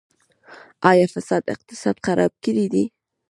آیا فساد اقتصاد خراب کړی دی؟